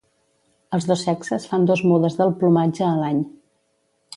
Els dos sexes fan dos mudes del plomatge a l'any.